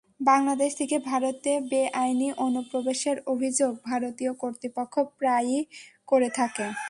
বাংলাদেশ থেকে ভারতে বেআইনি অনুপ্রবেশের অভিযোগ ভারতীয় কর্তৃপক্ষ প্রায়ই করে থাকে।